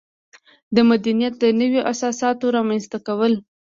د مدنیت د نویو اساساتو رامنځته کول.